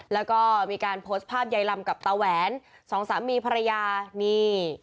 แล้วก็มีการโพสต์ภาพยายลำกับตาแหวนสองสามีภรรยานี่